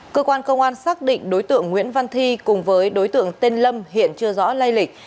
cơ quan công an xác định đối tượng nguyễn văn thi cùng với đối tượng tên lâm hiện chưa rõ lây lịch